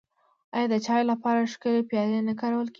آیا د چای لپاره ښکلې پیالې نه کارول کیږي؟